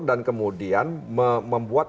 dan kemudian membuat